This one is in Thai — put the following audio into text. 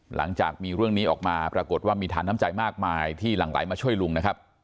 หลังจากมีเรื่องนี้ออกมาปรากฏว่ามีฐานน้ำใจมากมายที่หลั่งไหลมาช่วยลุงนะครับ